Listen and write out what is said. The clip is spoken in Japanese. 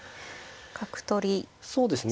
角取りですね。